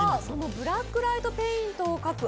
ブラックライトペイントを描く